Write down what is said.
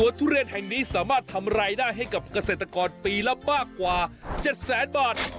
ทุเรียนแห่งนี้สามารถทำรายได้ให้กับเกษตรกรปีละมากกว่า๗แสนบาท